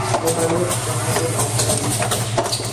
მდებარეობს დასავლეთ ავსტრალიის შტატში.